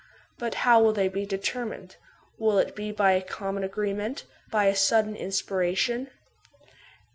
But how will they be determined ? Will it be by a common agreement, by a sudden inspiration